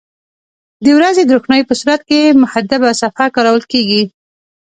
د ورځې د روښنایي په صورت کې محدبه صفحه کارول کیږي.